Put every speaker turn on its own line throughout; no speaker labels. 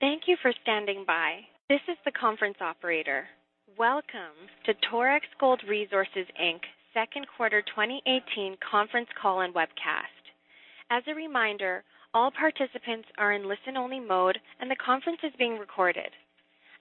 Thank you for standing by. This is the conference operator. Welcome to Torex Gold Resources Inc.'s second quarter 2018 conference call and webcast. As a reminder, all participants are in listen-only mode, and the conference is being recorded.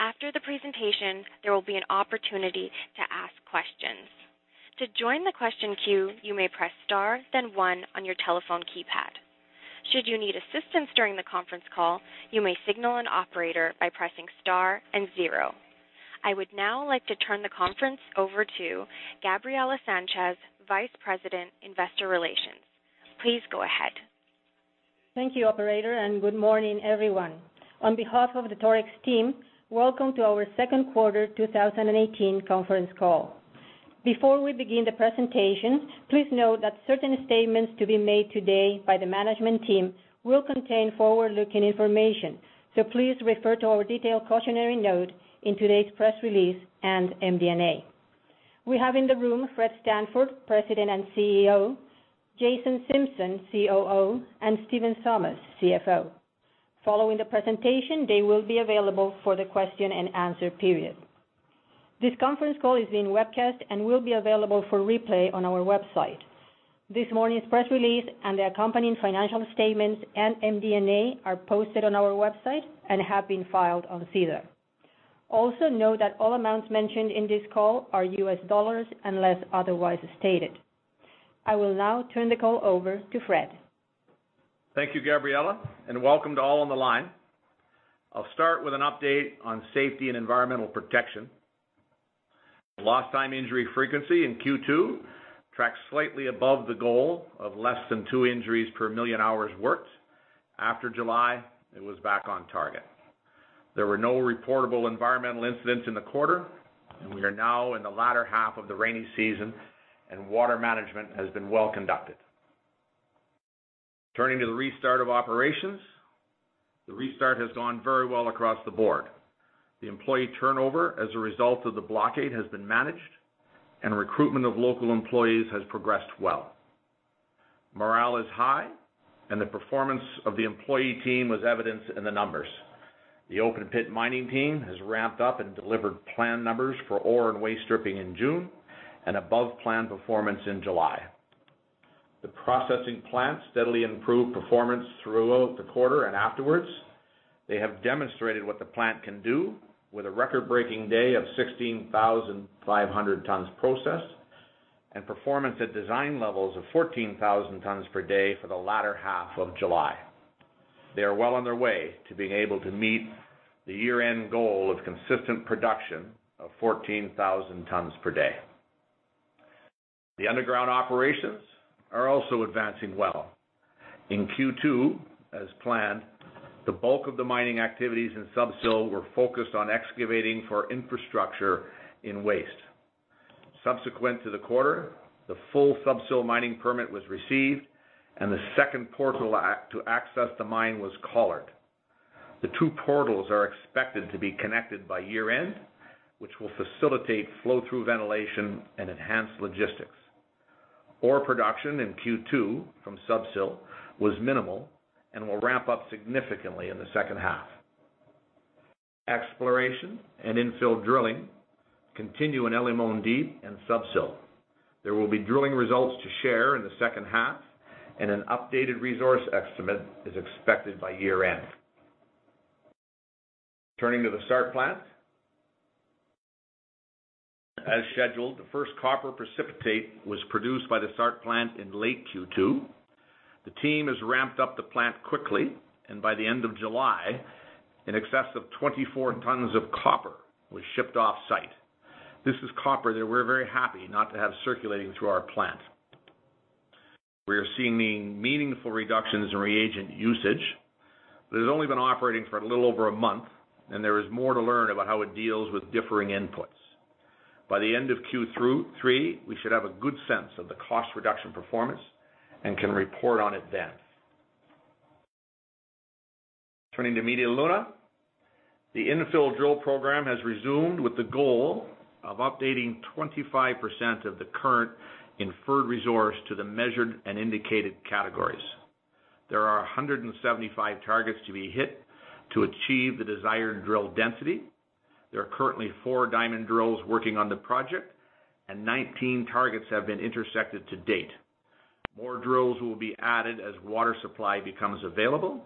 After the presentation, there will be an opportunity to ask questions. To join the question queue, you may press star then one on your telephone keypad. Should you need assistance during the conference call, you may signal an operator by pressing star and zero. I would now like to turn the conference over to Gabriela Sanchez, Vice President, Investor Relations. Please go ahead.
Thank you, operator, and good morning, everyone. On behalf of the Torex team, welcome to our second quarter 2018 conference call. Before we begin the presentation, please note that certain statements to be made today by the management team will contain forward-looking information. Please refer to our detailed cautionary note in today's press release and MD&A. We have in the room Fred Stanford, President and CEO, Jason Simpson, COO, and Steven Thomas, CFO. Following the presentation, they will be available for the question and answer period. This conference call is being webcast and will be available for replay on our website. This morning's press release and the accompanying financial statements and MD&A are posted on our website and have been filed on SEDAR. Also note that all amounts mentioned in this call are US dollars, unless otherwise stated. I will now turn the call over to Fred.
Thank you, Gabriela, and welcome to all on the line. I'll start with an update on safety and environmental protection. Lost time injury frequency in Q2 tracked slightly above the goal of less than two injuries per million hours worked. After July, it was back on target. There were no reportable environmental incidents in the quarter, and we are now in the latter half of the rainy season, and water management has been well conducted. Turning to the restart of operations, the restart has gone very well across the board. The employee turnover as a result of the blockade has been managed, and recruitment of local employees has progressed well. Morale is high, and the performance of the employee team was evidenced in the numbers. The open-pit mining team has ramped up and delivered planned numbers for ore and waste stripping in June and above-plan performance in July. The processing plant steadily improved performance throughout the quarter and afterwards. They have demonstrated what the plant can do with a record-breaking day of 16,500 tons processed and performance at design levels of 14,000 tons per day for the latter half of July. They are well on their way to being able to meet the year-end goal of consistent production of 14,000 tons per day. The underground operations are also advancing well. In Q2, as planned, the bulk of the mining activities in Sub-Sill were focused on excavating for infrastructure in waste. Subsequent to the quarter, the full Sub-Sill mining permit was received, and the second portal to access the mine was collared. The two portals are expected to be connected by year-end, which will facilitate flow-through ventilation and enhanced logistics. Ore production in Q2 from Sub-Sill was minimal and will ramp up significantly in the second half. Exploration and infill drilling continue in El Indio and Sub-Sill. There will be drilling results to share in the second half, and an updated resource estimate is expected by year-end. Turning to the SART plant. As scheduled, the first copper precipitate was produced by the SART plant in late Q2. The team has ramped up the plant quickly, and by the end of July, in excess of 24 tons of copper was shipped off-site. This is copper that we're very happy not to have circulating through our plant. We are seeing meaningful reductions in reagent usage. It has only been operating for a little over a month, and there is more to learn about how it deals with differing inputs. By the end of Q3, we should have a good sense of the cost reduction performance and can report on it then. Turning to Media Luna. The infill drill program has resumed with the goal of updating 25% of the current inferred resource to the measured and indicated categories. There are 175 targets to be hit to achieve the desired drill density. There are currently four diamond drills working on the project, and 19 targets have been intersected to date. More drills will be added as water supply becomes available.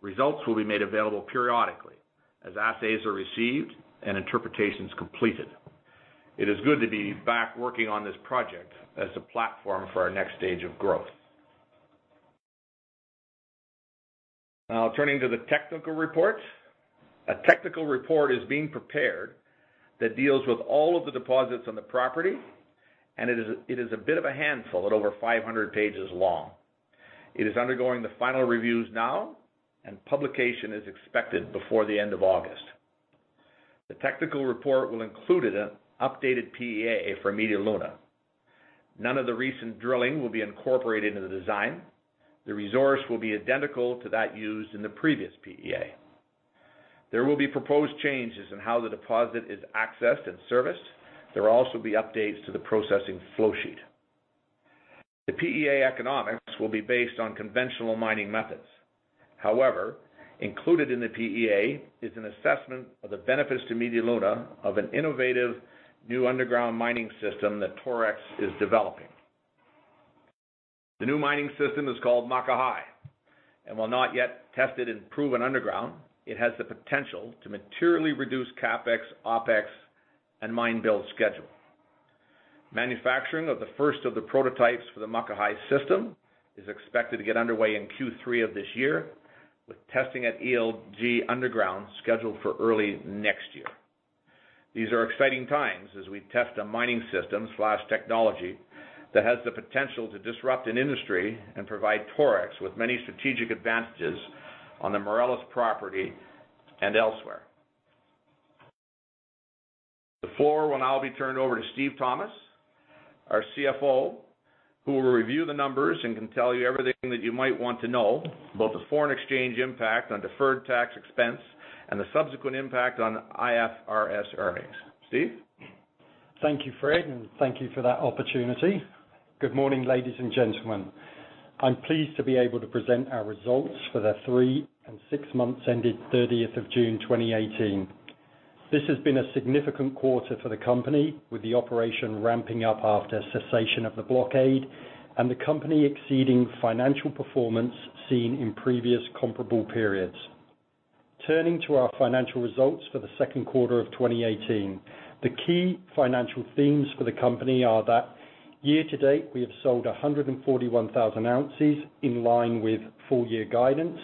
Results will be made available periodically as assays are received and interpretations completed. It is good to be back working on this project as the platform for our next stage of growth. Now turning to the technical report. A technical report is being prepared that deals with all of the deposits on the property, and it is a bit of a handful at over 500 pages long. It is undergoing the final reviews now, and publication is expected before the end of August. The technical report will include an updated PEA for Media Luna. None of the recent drilling will be incorporated into the design. The resource will be identical to that used in the previous PEA. There will be proposed changes in how the deposit is accessed and serviced. There will also be updates to the processing flow sheet. The PEA economics will be based on conventional mining methods. However, included in the PEA is an assessment of the benefits to Media Luna of an innovative new underground mining system that Torex is developing. The new mining system is called Muckahi, and while not yet tested and proven underground, it has the potential to materially reduce CapEx, OpEx, and mine build schedule. Manufacturing of the first of the prototypes for the Muckahi system is expected to get underway in Q3 of this year, with testing at ELG Underground scheduled for early next year. These are exciting times as we test a mining system/technology that has the potential to disrupt an industry and provide Torex with many strategic advantages on the Morelos property and elsewhere. The floor will now be turned over to Steve Thomas, our CFO, who will review the numbers and can tell you everything that you might want to know about the foreign exchange impact on deferred tax expense and the subsequent impact on IFRS earnings. Steve?
Thank you, Fred, and thank you for that opportunity. Good morning, ladies and gentlemen. I'm pleased to be able to present our results for the three and six months ended 30th of June 2018. This has been a significant quarter for the company, with the operation ramping up after cessation of the blockade and the company exceeding financial performance seen in previous comparable periods. Turning to our financial results for the second quarter of 2018. The key financial themes for the company are that year-to-date, we have sold 141,000 ounces in line with full-year guidance.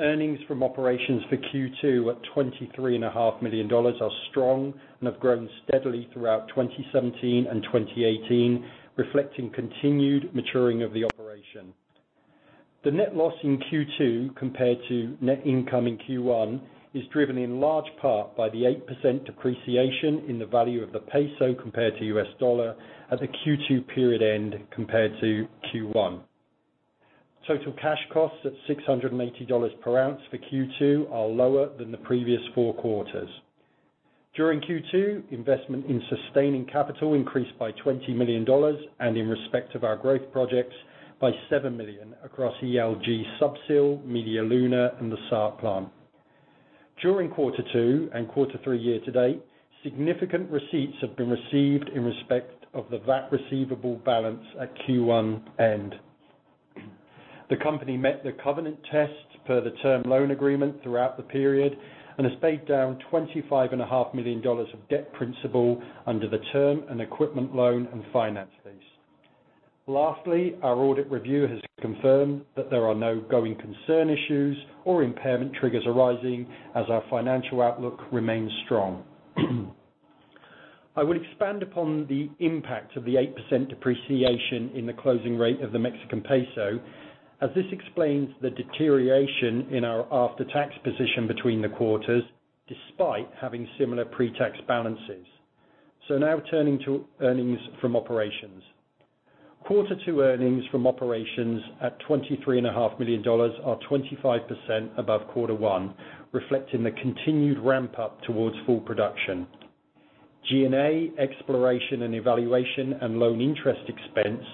Earnings from operations for Q2 at $23.5 million are strong and have grown steadily throughout 2017 and 2018, reflecting continued maturing of the operation. The net loss in Q2 compared to net income in Q1 is driven in large part by the 8% depreciation in the value of the peso compared to US dollar at the Q2 period end compared to Q1. Total cash costs at $680 per ounce for Q2 are lower than the previous four quarters. During Q2, investment in sustaining capital increased by $20 million, and in respect of our growth projects by $7 million across ELG Sub-Sill, Media Luna, and the SART plant. During quarter two and quarter three year-to-date, significant receipts have been received in respect of the VAT receivable balance at Q1 end. The company met the covenant tests per the term loan agreement throughout the period and has paid down $25.5 million of debt principal under the term and equipment loan and finance lease. Lastly, our audit review has confirmed that there are no going concern issues or impairment triggers arising as our financial outlook remains strong. I would expand upon the impact of the 8% depreciation in the closing rate of the Mexican peso, as this explains the deterioration in our after-tax position between the quarters, despite having similar pre-tax balances. Now turning to earnings from operations. Quarter two earnings from operations at $23.5 million are 25% above quarter one, reflecting the continued ramp-up towards full production. G&A, exploration and evaluation, and loan interest expense,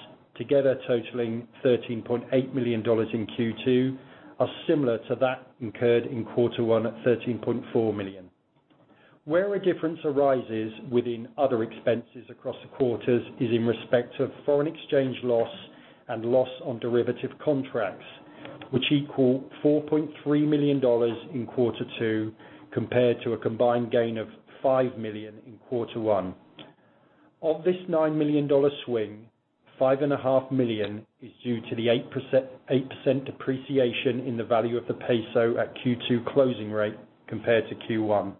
together totaling $13.8 million in Q2, are similar to that incurred in quarter one at $13.4 million. Where a difference arises within other expenses across the quarters is in respect of foreign exchange loss and loss on derivative contracts, which equal $4.3 million in quarter two, compared to a combined gain of $5 million in quarter one. Of this $9 million swing, $5.5 million is due to the 8% depreciation in the value of the peso at Q2 closing rate compared to Q1.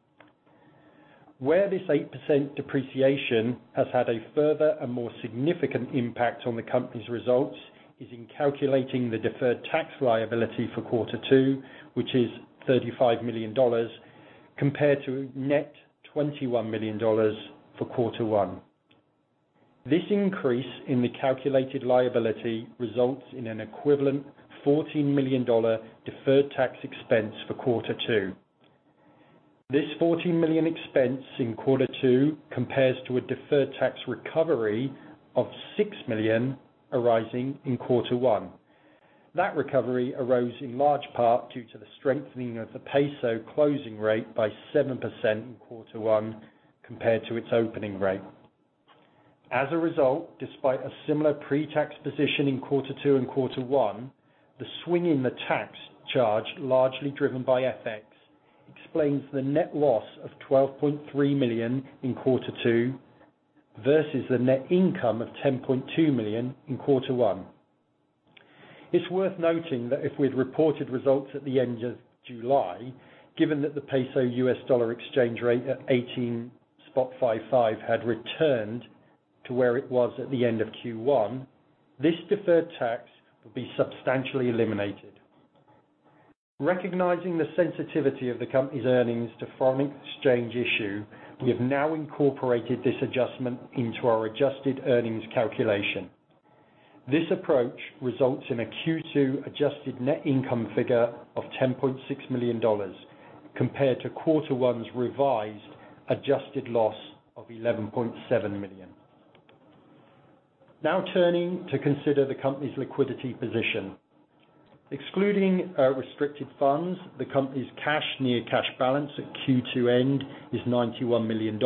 Where this 8% depreciation has had a further and more significant impact on the company's results is in calculating the deferred tax liability for quarter two, which is $35 million, compared to a net $21 million for quarter one. This increase in the calculated liability results in an equivalent $14 million deferred tax expense for quarter two. This $14 million expense in quarter two compares to a deferred tax recovery of $6 million arising in quarter one. That recovery arose in large part due to the strengthening of the peso closing rate by 7% in quarter one compared to its opening rate. As a result, despite a similar pre-tax position in quarter two and quarter one, the swing in the tax charge, largely driven by FX, explains the net loss of $12.3 million in quarter two versus the net income of $10.2 million in quarter one. It's worth noting that if we'd reported results at the end of July, given that the peso-U.S. dollar exchange rate at 18.55 had returned to where it was at the end of Q1, this deferred tax would be substantially eliminated. Recognizing the sensitivity of the company's earnings to foreign exchange issue, we have now incorporated this adjustment into our adjusted earnings calculation. This approach results in a Q2 adjusted net income figure of $10.6 million compared to quarter one's revised adjusted loss of $11.7 million. Turning to consider the company's liquidity position. Excluding our restricted funds, the company's cash near cash balance at Q2 end is $91 million,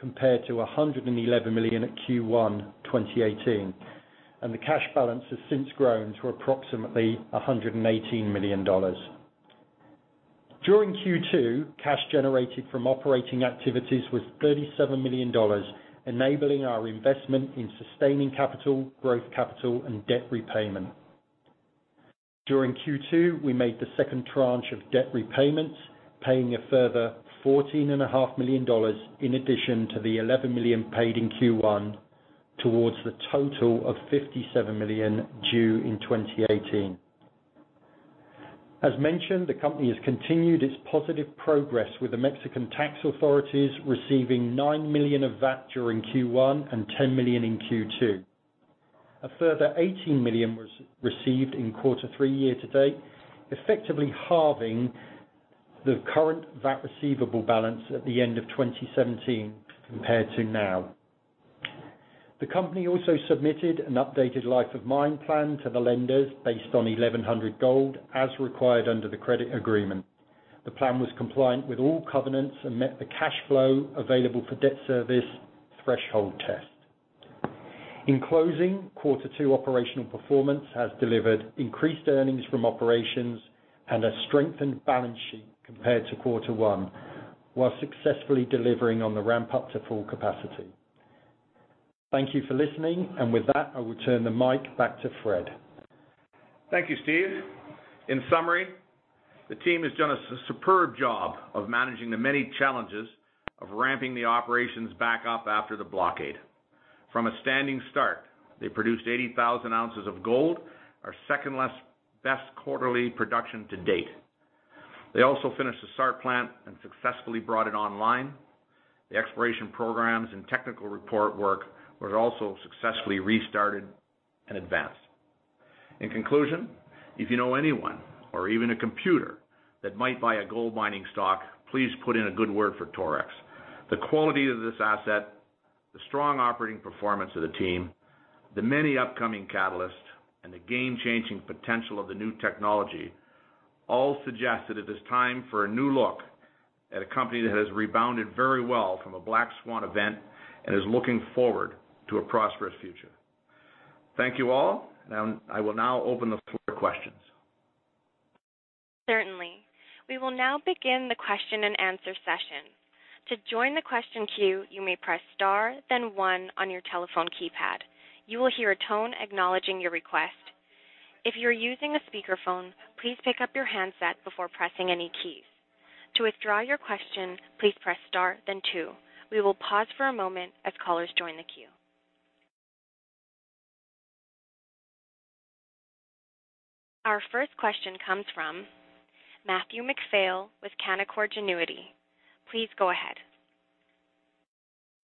compared to $111 million at Q1 2018, and the cash balance has since grown to approximately $118 million. During Q2, cash generated from operating activities was $37 million, enabling our investment in sustaining capital, growth capital and debt repayment. During Q2, we made the second tranche of debt repayments, paying a further $14.5 million in addition to the $11 million paid in Q1, towards the total of $57 million due in 2018. As mentioned, the company has continued its positive progress with the Mexican tax authorities receiving $9 million of VAT during Q1 and $10 million in Q2. A further $18 million was received in quarter three year to date, effectively halving the current VAT receivable balance at the end of 2017 compared to now. The company also submitted an updated life of mine plan to the lenders based on $1,100 gold as required under the credit agreement. The plan was compliant with all covenants and met the cash flow available for debt service threshold test. In closing, quarter two operational performance has delivered increased earnings from operations and a strengthened balance sheet compared to quarter one, while successfully delivering on the ramp up to full capacity. Thank you for listening. With that, I will turn the mic back to Fred.
Thank you, Steve. In summary, the team has done a superb job of managing the many challenges of ramping the operations back up after the blockade. From a standing start, they produced 80,000 ounces of gold, our second-best quarterly production to date. They also finished the SART plant and successfully brought it online. The exploration programs and technical report work was also successfully restarted and advanced. In conclusion, if you know anyone or even a computer that might buy a gold mining stock, please put in a good word for Torex. The quality of this asset, the strong operating performance of the team, the many upcoming catalysts, and the game-changing potential of the new technology all suggest that it is time for a new look at a company that has rebounded very well from a black swan event and is looking forward to a prosperous future. Thank you all. I will now open the floor to questions.
Certainly. We will now begin the question and answer session. To join the question queue, you may press star then one on your telephone keypad. You will hear a tone acknowledging your request. If you're using a speakerphone, please pick up your handset before pressing any keys. To withdraw your question, please press star then two. We will pause for a moment as callers join the queue. Our first question comes from Matthew McPhail with Canaccord Genuity. Please go ahead.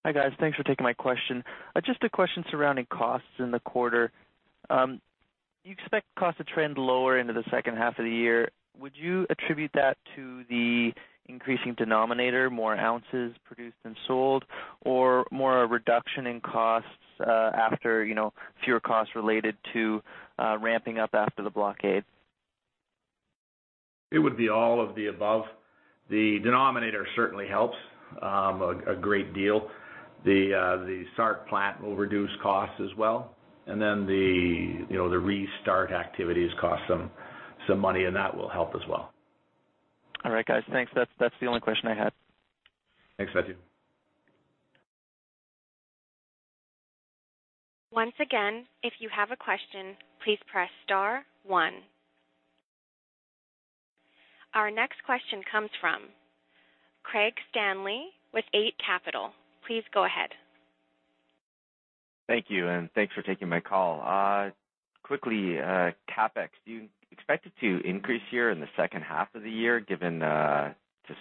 Hi, guys. Thanks for taking my question. Just a question surrounding costs in the quarter. You expect cost to trend lower into the second half of the year. Would you attribute that to the increasing denominator, more ounces produced and sold, or more a reduction in costs after fewer costs related to ramping up after the blockade?
It would be all of the above. The denominator certainly helps a great deal. The SART plant will reduce costs as well. The restart activities cost some money, and that will help as well.
All right, guys. Thanks. That's the only question I had.
Thanks, Matthew.
Once again, if you have a question, please press star one. Our next question comes from Craig Stanley with Eight Capital. Please go ahead.
Thank you. Thanks for taking my call. Quickly, CapEx, do you expect it to increase here in the second half of the year, given to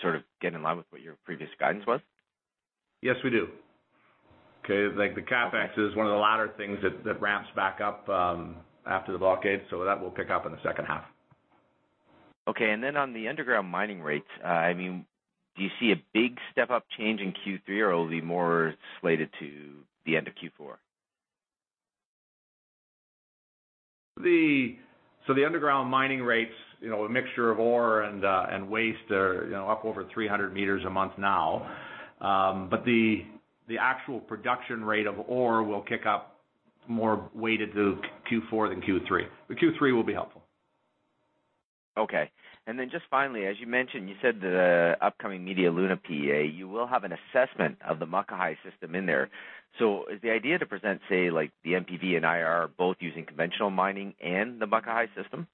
sort of get in line with what your previous guidance was?
Yes, we do. The CapEx is one of the latter things that ramps back up after the blockade, that will pick up in the second half.
Okay. On the underground mining rates, do you see a big step-up change in Q3, or it'll be more slated to the end of Q4?
The underground mining rates, a mixture of ore and waste are up over 300 meters a month now. The actual production rate of ore will kick up more weight into Q4 than Q3 will be helpful.
Okay. Just finally, as you mentioned, you said the upcoming Media Luna PEA, you will have an assessment of the Muckahi system in there. Is the idea to present, say, like the NPV and IRR both using conventional mining and the Muckahi system?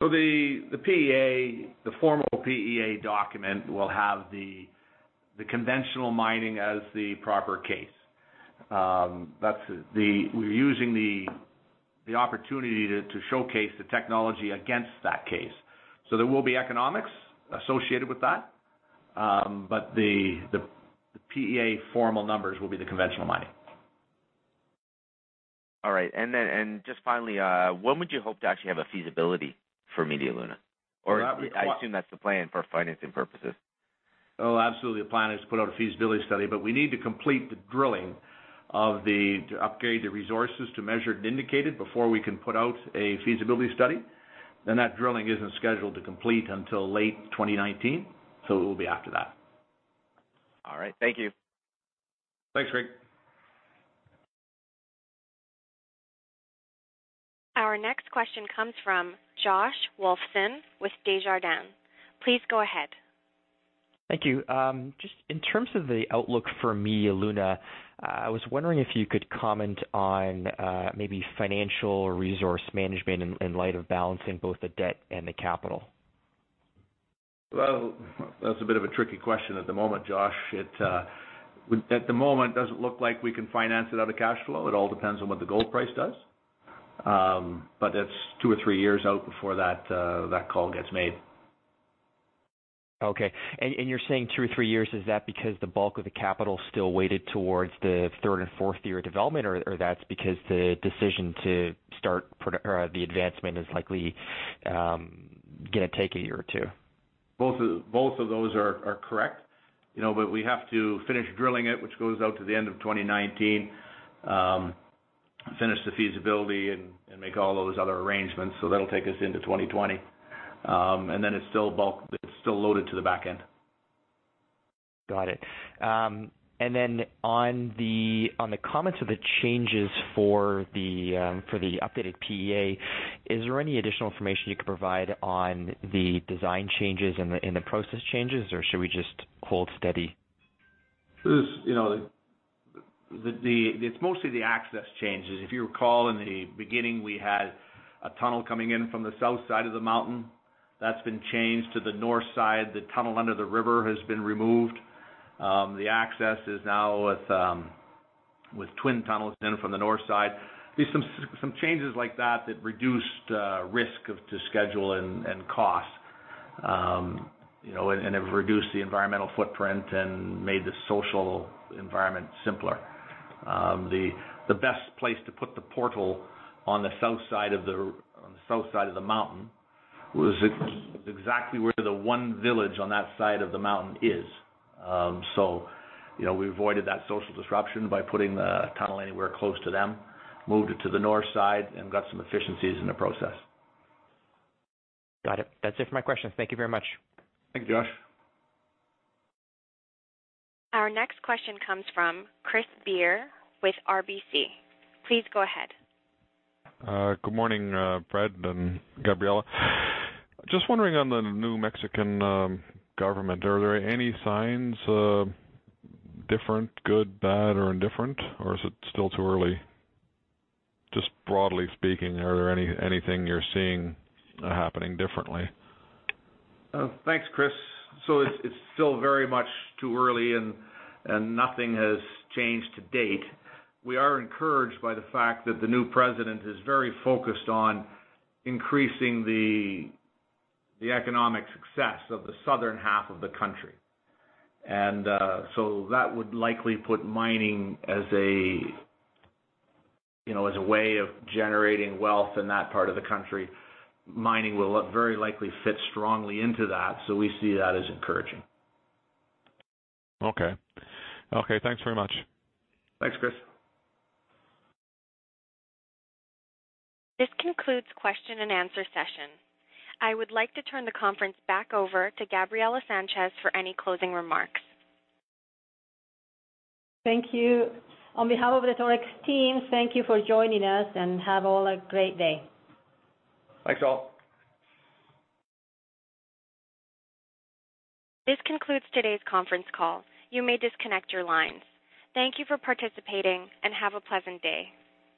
The formal PEA document will have the conventional mining as the proper case. We're using the opportunity to showcase the technology against that case. There will be economics associated with that. The PEA formal numbers will be the conventional mining.
All right. Just finally, when would you hope to actually have a feasibility for Media Luna? I assume that's the plan for financing purposes.
Oh, absolutely. The plan is to put out a feasibility study, but we need to complete the drilling to upgrade the resources to measured and indicated before we can put out a feasibility study. That drilling isn't scheduled to complete until late 2019, so it will be after that.
All right. Thank you.
Thanks, Craig.
Our next question comes from Josh Wolfson with Desjardins. Please go ahead.
Thank you. Just in terms of the outlook for Media Luna, I was wondering if you could comment on maybe financial resource management in light of balancing both the debt and the capital.
Well, that's a bit of a tricky question at the moment, Josh. At the moment, it doesn't look like we can finance it out of cash flow. It all depends on what the gold price does. It's two or three years out before that call gets made.
Okay. You're saying two or three years, is that because the bulk of the capital's still weighted towards the third and fourth year development, or that's because the decision to start the advancement is likely gonna take a year or two?
Both of those are correct. We have to finish drilling it, which goes out to the end of 2019, finish the feasibility and make all those other arrangements. That'll take us into 2020. Then it's still loaded to the back end.
Got it. Then on the comments of the changes for the updated PEA, is there any additional information you can provide on the design changes and the process changes, or should we just hold steady?
It's mostly the access changes. If you recall, in the beginning, we had a tunnel coming in from the south side of the mountain. That's been changed to the north side. The tunnel under the river has been removed. The access is now with twin tunnels in from the north side. There's some changes like that that reduced risk to schedule and cost, and have reduced the environmental footprint and made the social environment simpler. The best place to put the portal on the south side of the mountain was exactly where the one village on that side of the mountain is. We avoided that social disruption by putting the tunnel anywhere close to them, moved it to the north side and got some efficiencies in the process.
Got it. That's it for my questions. Thank you very much.
Thank you, Josh.
Our next question comes from Chris Beer with RBC. Please go ahead.
Good morning, Fred and Gabriela. Just wondering on the new Mexican government, are there any signs of different, good, bad, or indifferent, or is it still too early? Just broadly speaking, are there anything you're seeing happening differently?
Thanks, Chris. It's still very much too early and nothing has changed to date. We are encouraged by the fact that the new president is very focused on increasing the economic success of the southern half of the country. That would likely put mining as a way of generating wealth in that part of the country. Mining will very likely fit strongly into that, we see that as encouraging.
Okay. Thanks very much.
Thanks, Chris.
This concludes question and answer session. I would like to turn the conference back over to Gabriela Sanchez for any closing remarks.
Thank you. On behalf of the Torex team, thank you for joining us, and have all a great day.
Thanks, all.
This concludes today's conference call. You may disconnect your lines. Thank you for participating, and have a pleasant day.